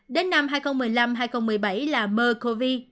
đến năm hai nghìn một mươi năm hai nghìn một mươi bảy là mers cov